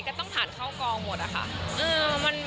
ต้องผ่านเข้ากองหมดอะค่ะ